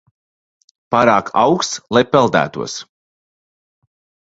Pārāk auksts, lai peldētos.